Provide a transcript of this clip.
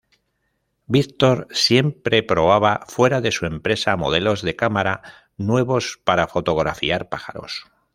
Victor siempre probaba fuera de su empresa modelos de cámara nuevos para fotografiar pájaros.